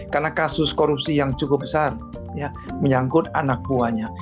karena kasus korupsi yang cukup besar menyangkut anak buahnya